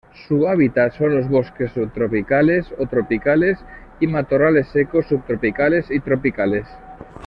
Su hábitat son los bosques subtropicales o tropicales y matorrales secos subtropicales y tropicales.